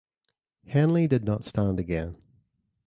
Henley did not stand again.